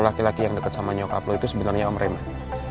laki laki yang deket sama nyokap lo itu sebenernya om raymond